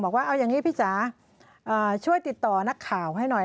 บอกว่าเอาอย่างนี้พี่จ๋าช่วยติดต่อนักข่าวให้หน่อย